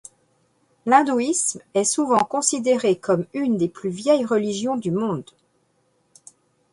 L'hindouisme est souvent considéré comme une des plus vieilles religions du monde.